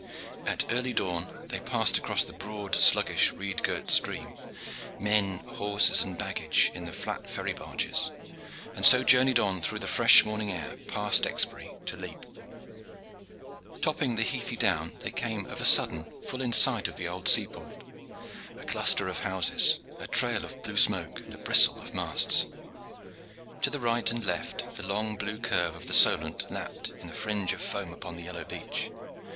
At early dawn they passed across the broad, sluggish, reed girt stream men, horses, and baggage in the flat ferry barges and so journeyed on through the fresh morning air past Exbury to Lepe. Topping the heathy down, they came of a sudden full in sight of the old sea port a cluster of houses, a trail of blue smoke, and a bristle of masts. To right and left the long blue curve of the Solent lapped in a fringe of foam upon the yellow beach.